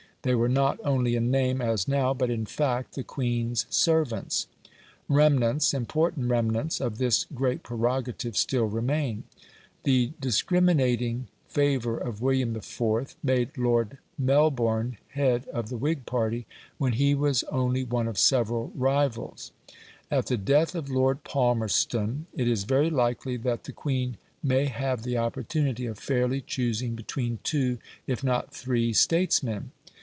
They were not only in name, as now, but in fact, the Queen's servants. Remnants, important remnants, of this great prerogative still remain. The discriminating favour of William IV. made Lord Melbourne head of the Whig party when he was only one of several rivals. At the death of Lord Palmerston it is very likely that the Queen may have the opportunity of fairly choosing between two, if not three statesmen.